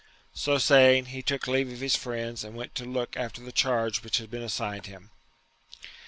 So saying, he took leave of his friends and went to look after the charge which had been assigned him.